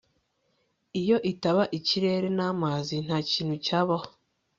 Iyo itaba ikirere namazi ntakintu cyabaho